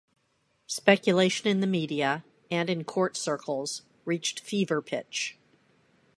Speculation in the media-and in court circles-reached fever pitch.